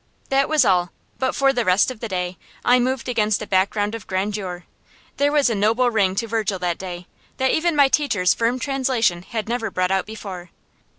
That was all, but for the rest of the day I moved against a background of grandeur. There was a noble ring to Virgil that day that even my teacher's firm translation had never brought out before.